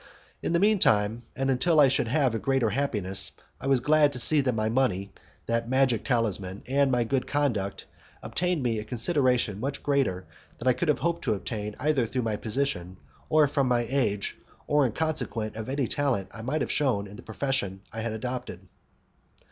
In the mean time, and until I should have a greater happiness, I was glad to see that my money, that magic talisman, and my good conduct, obtained me a consideration much greater than I could have hoped to obtain either through my position, or from my age, or in consequence of any talent I might have shewn in the profession I had adopted.